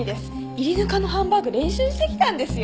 炒りぬかのハンバーグ練習してきたんですよ。